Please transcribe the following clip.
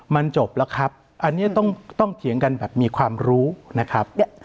มันจบแล้วครับอันนี้ต้องเถียงกันแบบมีความรู้นะครับ